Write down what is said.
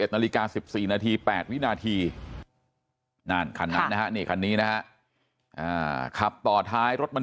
๑๑นาฬิกา๑๔นาที๘วินาทีนั่นคันนี้นะครับขับต่อท้ายรถมัน